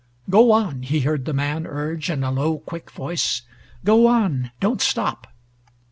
"Go on!" he heard the man urge in a low quick voice. "Go on! Don't stop!"